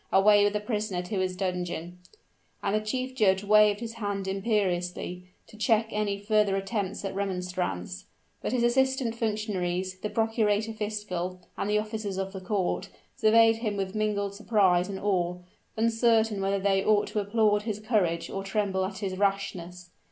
Away with the prisoner to his dungeon." And the chief judge waved his hand imperiously, to check any further attempts at remonstrance; but his assistant functionaries, the procurator fiscal and the officers of the court, surveyed him with mingled surprise and awe, uncertain whether they ought to applaud his courage or tremble at his rashness.